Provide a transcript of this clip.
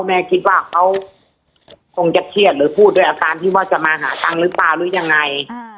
แม่คิดว่าเขาคงจะเครียดหรือพูดด้วยอาการที่ว่าจะมาหาตังค์หรือเปล่าหรือยังไง